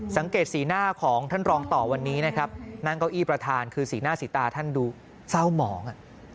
สังเกตสีหน้าของท่านรองต่อวันนี้นะครับนั่งเก้าอี้ประธานคือสีหน้าสีตาท่านดูเศร้าหมอง